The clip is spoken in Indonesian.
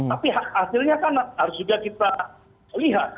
tapi hasilnya kan harus juga kita lihat